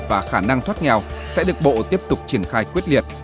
và khả năng thoát nghèo sẽ được bộ tiếp tục triển khai quyết liệt